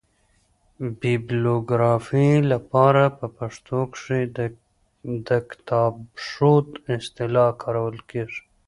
بیبلوګرافي له پاره په پښتو کښي دکتابښود اصطلاح کارول کیږي.